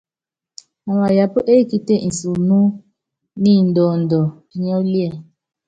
Amayapá ekíte nsunú ni ndɔɔndɔ pinyɔ́líɛ.